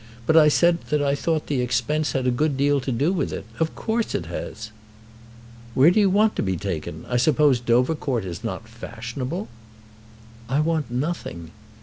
But I said that I thought the expense had a good deal to do with it. Of course it has." "Where do you want to be taken? I suppose Dovercourt is not fashionable." "I want nothing."